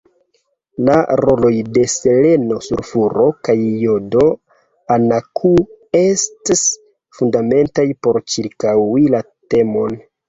La roloj de seleno sulfuro kaj jodo anakŭ ests fundamentaj por cirkaŭi la temon.